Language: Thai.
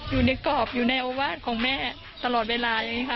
อยู่ในกรอบอยู่ในโอวาสของแม่ตลอดเวลาอย่างนี้ค่ะ